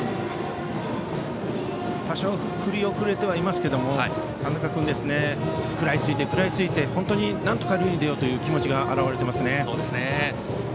多少振り遅れてはいますが田中君は食らいついて、食らいついてなんとか塁に出ようという気持ちが表れていますね。